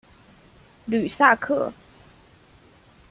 吕萨克。